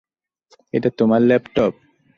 এটা তোমার ল্যাপটপ?